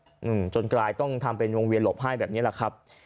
อะรห์จนกลายต้องทำเป็นวงเวียนหลบไห้แบบนี้ฮะครับ